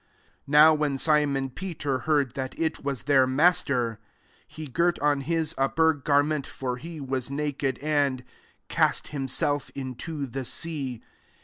Now, when Simon Peter heard that it was their Master, he girt on his upper garment, (for he was naked), and cast himself into the sea.